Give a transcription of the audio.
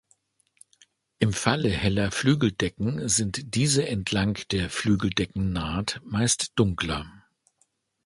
Im Falle heller Flügeldecken sind diese entlang der Flügeldeckennaht meist dunkler.